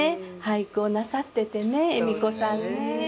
俳句をなさっててね恵美子さんね。